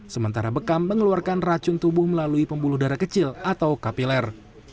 sementara bekam mengeluarkan racun tubuh melalui pembuluh darah kecil atau kapiler